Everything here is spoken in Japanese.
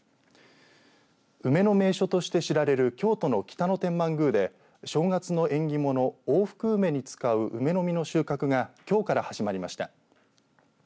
梅の名所として知られる京都の北野天満宮で正月の縁起物、大福梅に使う梅の実の収穫がきょうから始まりました。